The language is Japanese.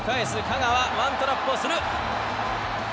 香川ワントラップをする。